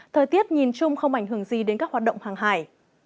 thời tiết nhìn chung không ảnh hưởng gì đến các hoạt động hàng hải